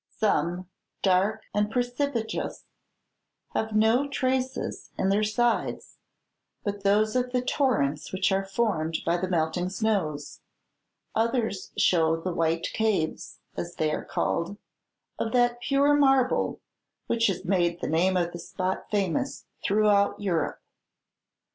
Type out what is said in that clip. Some, dark and precipitous, have no traces in their sides but those of the torrents which are formed by the melting snows; others show the white caves, as they are called, of that pure marble which has made the name of the spot famous throughout Europe.